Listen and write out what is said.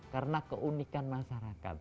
karena keunikan masyarakat